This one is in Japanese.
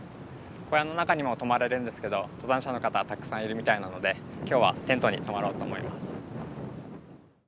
小屋の中にも泊まれるんですけど登山者の方たくさんいるみたいなので今日はテントに泊まろうと思います。